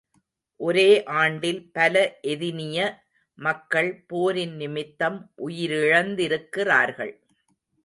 ஒரே ஆண்டில் பல எதினிய மக்கள் போரின் நிமித்தம் உயிரிழந்திருக்கிறார்கள்.